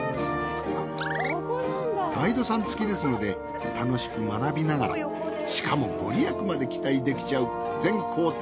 ガイドさん付きですので楽しく学びながらしかもご利益まで期待できちゃう全行程